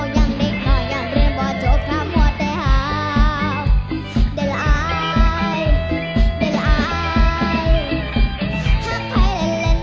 ได้สูญแห่งบอกคือเก่าจริงจัง